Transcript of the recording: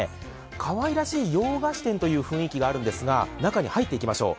かわいらしい洋菓子店という雰囲気があるんですが、中に入っていきましょう。